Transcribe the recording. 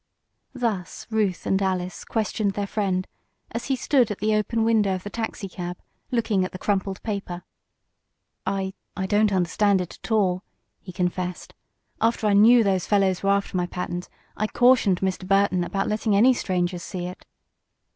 Thus Ruth and Alice questioned their friend, as he stood at the open window of the taxicab, looking at the crumpled paper. "I I don't understand it all," he confessed. "After I knew those fellows were after my patent I cautioned Mr. Burton about letting any strangers see it."